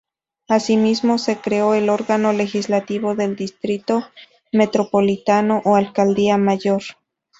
Asimismo, se creó el órgano legislativo del Distrito Metropolitano o Alcaldía Mayor.